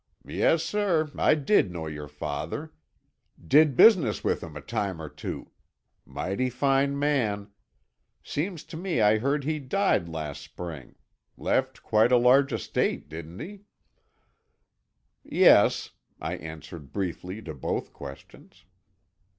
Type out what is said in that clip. "Yes, sir, I did know your father. Did business with him a time or two. Mighty fine man. Seems to me I heard he died last spring. Left quite a large estate, didn't he?" "Yes," I answered briefly to both questions.